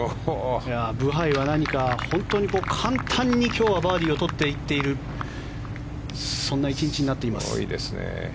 ブハイは、何か簡単に今日はバーディーをとっていっているそんな１日になっています。